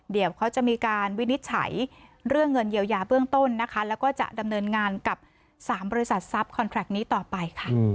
เดี๋ยวเขาจะมีการวินิจฉัยเรื่องเงินเยียวยาเบื้องต้นนะคะแล้วก็จะดำเนินงานกับ๓บริษัททรัพย์คอนแทรคนี้ต่อไปค่ะ